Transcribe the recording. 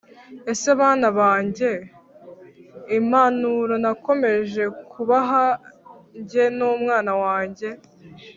ese bana banjye impanuro nakomeje kubaha jye n’umwana wanjye,